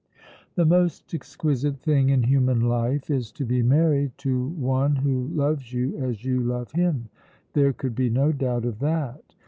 "The most exquisite thing in human life is to be married to one who loves you as you love him." There could be no doubt of that.